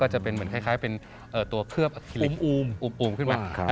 จะเป็นเหมือนคล้ายเป็นตัวเคลือบอุมขึ้นมา